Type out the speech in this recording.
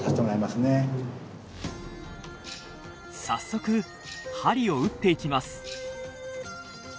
早速鍼を打っていきます。